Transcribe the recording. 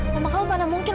masa aku moltot ama being me